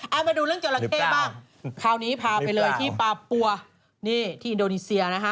เอามาดูเรื่องจราเข้บ้างคราวนี้พาไปเลยที่ปาปัวนี่ที่อินโดนีเซียนะฮะ